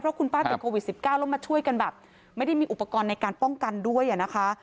คุณป้าติดโควิด๑๙แล้วมาช่วยกันแบบไม่ได้มีอุปกรณ์ในการป้องกันด้วยนะคะ